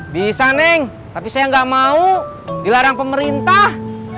bisa neng tapi saya nggak mau dilarang pemerintah